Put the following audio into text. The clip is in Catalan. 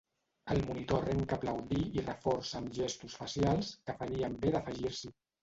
El monitor arrenca a aplaudir i reforça amb gestos facials que farien bé d'afegir-s'hi.